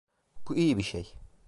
Bu iyi bir şey.